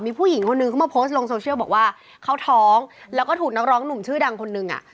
มีผู้หญิงคนนึงเขามาโพสต์ลงโซเชียลบอกว่าเขาท้องแล้วก็ถูกนักร้องหนุ่มชื่อดังคนนึงอ่ะ